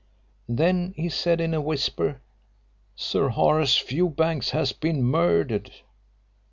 Then he said in a whisper: 'Sir Horace Fewbanks has been murdered!'